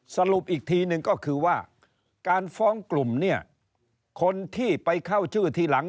สรุปอีกทีหนึ่งก็คือว่าการฟ้องกลุ่มเนี่ยคนที่ไปเข้าชื่อทีหลัง